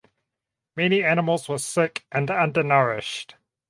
Many animals were sick and undernourished.